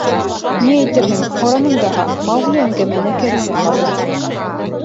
— Ни әйтерһең? һораным даһа, — Маугли әңгәмәне кәрәк яҡҡа борҙо.